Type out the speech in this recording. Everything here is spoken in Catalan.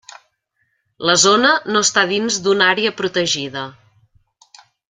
La zona no està dins d'una àrea protegida.